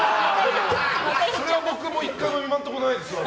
それは僕は１回も今のところないですわ。